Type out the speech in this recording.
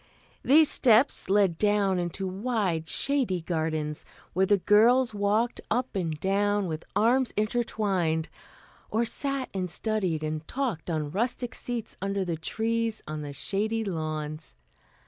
These steps led down into wide shady gardens, where the girls walked up and down with arms intertwined, or sat and studied and talked on rustic seats under the trees on the shady lawns.